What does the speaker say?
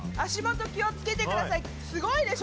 すごいでしょ？